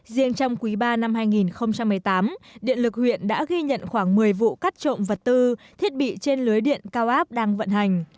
riêng trong quý ba năm hai nghìn một mươi tám điện lực huyện đã ghi nhận khoảng một mươi vụ cắt trộm vật tư thiết bị trên lưới điện cao áp đang vận hành